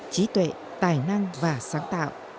trí tuệ tài năng và sáng tạo